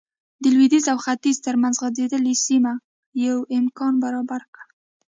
د لوېدیځ او ختیځ ترمنځ غځېدلې سیمه یو امکان برابر کړ.